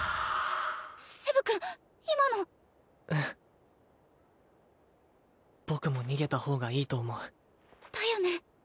セブ君今のうん僕も逃げた方がいいと思うだよね